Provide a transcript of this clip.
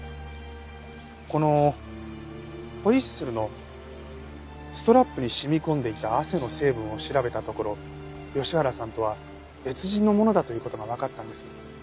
このホイッスルのストラップに染み込んでいた汗の成分を調べたところ吉原さんとは別人のものだという事がわかったんです。